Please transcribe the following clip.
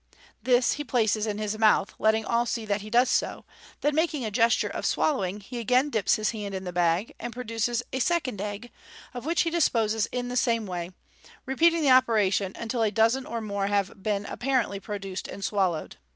This he places in his mouth, letting all see that he does so, then making a gesture of swallowing, he again dips his hand in the bag, and produces a second egg, of which he disposes in the same way, repeating the operation until a dozen or more have been apparently produced and swallowed.